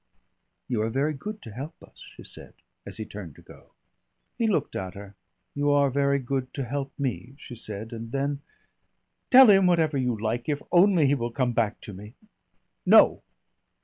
"You are very good to help us," she said as he turned to go. He looked at her. "You are very good to help me," she said, and then: "Tell him whatever you like if only he will come back to me!... No!